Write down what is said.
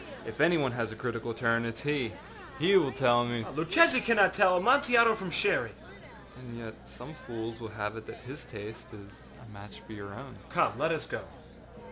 If any one has a critical turn, it is he. He will tell meââ âLuchesi cannot tell Amontillado from Sherry.â âAnd yet some fools will have it that his taste is a match for your own.â âCome, let us go.